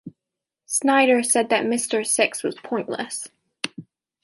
Snyder said that Mr. Six was pointless.